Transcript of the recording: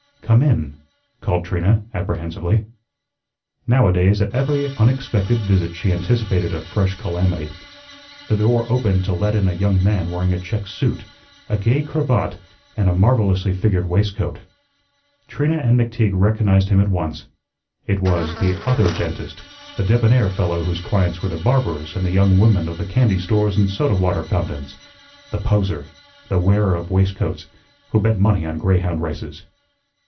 "Come in," called Trina, apprehensively. Now a days at every unexpected visit she anticipated a fresh calamity. The door opened to let in a young man wearing a checked suit, a gay cravat, and a marvellously figured waistcoat. Trina and McTeague recognized him at once. It was the Other Dentist, the debonair fellow whose clients were the barbers and the young women of the candy stores and soda water fountains, the poser, the wearer of waistcoats, who bet money on greyhound races.